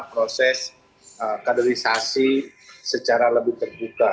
proses kaderisasi secara lebih terbuka